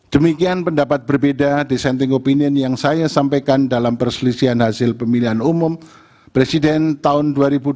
demikian pendapat berbeda dissenting opinion yang saya sampaikan dalam perselisihan hasil pemilihan umum presiden tahun dua ribu dua puluh